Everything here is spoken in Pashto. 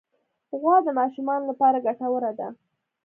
غوا د ماشومانو لپاره ګټوره ده.